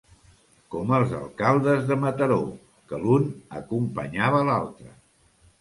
Com els alcaldes de Mataró, que l'un acompanyava l'altre.